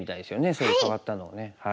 そういう変わったのをね。